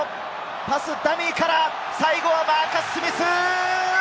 パスダミーから最後はマーカス・スミス！